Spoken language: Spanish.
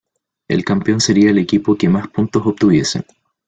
El campeón sería el equipo que más puntos obtuviese.